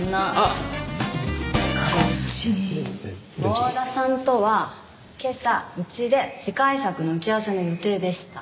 郷田さんとは今朝うちで次回作の打ち合わせの予定でした。